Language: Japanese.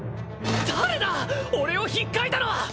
誰だ俺をひっかいたのは！